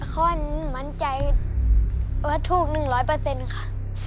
ข้อมั่นใจว่าถูกหนึ่งร้อยเปอร์เซ็นต์ค่ะ